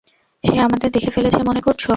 সে আমাদের দেখে ফেলেছে মনে করছ?